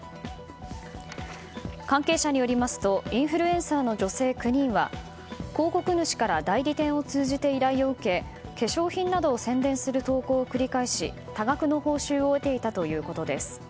関係者によりますとインフルエンサーの女性９人は広告主から代理店を通じて依頼を受け化粧品などを宣伝する投稿を繰り返し多額の報酬を得ていたということです。